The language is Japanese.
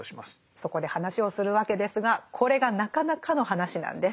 そこで話をするわけですがこれがなかなかの話なんです。